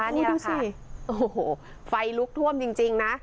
โอ้โหดูสิโอ้โหไฟลุกท่วมจริงจริงนะ